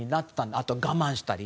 あと、我慢したり。